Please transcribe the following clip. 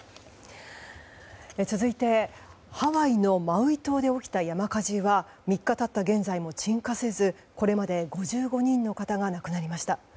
続いて、ハワイのマウイ島で起きた山火事は３日たった今も鎮火せずこれまで５５人の方が亡くなりました。